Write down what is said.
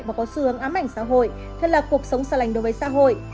và có xu hướng ám ảnh xã hội thật là cuộc sống xa lành đối với xã hội